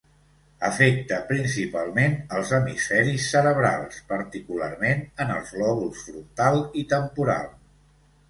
Afecta principalment als hemisferis cerebrals, particularment en els lòbuls frontal i temporal.